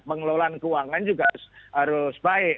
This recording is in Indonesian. pengelolaan keuangan juga harus baik